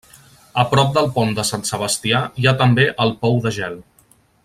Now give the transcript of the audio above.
A prop del Pont de Sant Sebastià hi ha també el Pou de Gel.